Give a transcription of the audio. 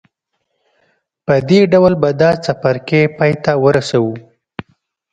په دې ډول به دا څپرکی پای ته ورسوو.